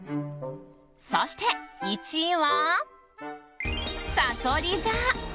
そして１位は、さそり座！